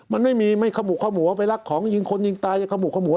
มันไม่มีไม่ขมุกขมัวไปรักของยิงคนยิงตายจะขมุกขมัว